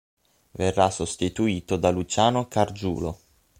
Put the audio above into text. Verrà sostituito da Luciano Gargiulo.